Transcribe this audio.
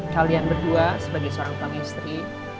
kalian berdua sebagai seorang pangistri